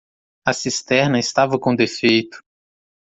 A cisterna estava com defeito.